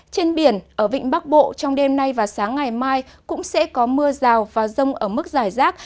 trên biển ở vịnh bắc bộ trong đêm nay và sáng ngày mai cũng sẽ có mưa rào và rông ở mức giải rác